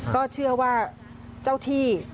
ก็เชื่อว่าเจ้าที่